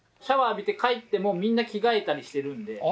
シャワー浴びて帰ってもみんな着替えたりしてるんで。